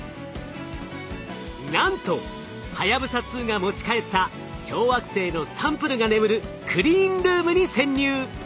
なんとはやぶさ２が持ち帰った小惑星のサンプルが眠るクリーンルームに潜入！